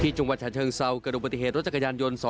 ที่จังหวัฒน์ชาชเติงเซลกไปดูปฏิเหตุรถจักรยานยนต์